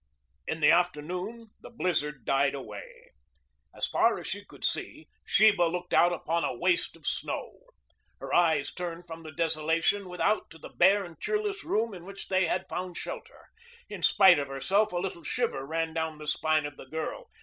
In the afternoon the blizzard died away. As far as she could see, Sheba looked out upon a waste of snow. Her eyes turned from the desolation without to the bare and cheerless room in which they had found shelter. In spite of herself a little shiver ran down the spine of the girl.